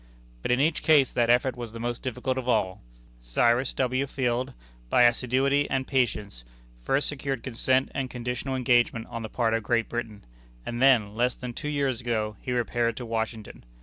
But in each case that effort was the most difficult of all. Cyrus W. Field, by assiduity and patience, first secured consent and conditional engagement on the part of Great Britain, and then, less than two years ago, he repaired to Washington.